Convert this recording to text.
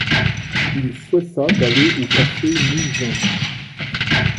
Il cessa d'aller au café Musain.